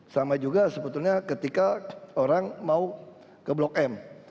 sama juga sebetulnya ketika orang mau ke blok m